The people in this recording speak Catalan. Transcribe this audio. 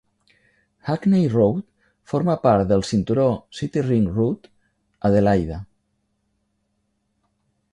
Hackney Road forma part del cinturó City Ring Route, Adelaida.